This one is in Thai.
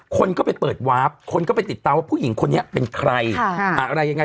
คนก็ไปเปิดวาร์ฟคนก็ไปติดตามว่าผู้หญิงคนนี้เป็นใครอะไรยังไง